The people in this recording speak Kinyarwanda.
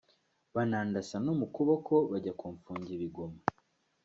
banandasa no mu kaboko bajya kumfungira i Goma